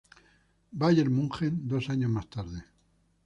Bayern München dos años más tarde.